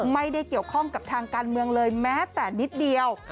ไม่ได้เกี่ยวข้องกับทางการเมืองเลยแม้แต่นิดเดียว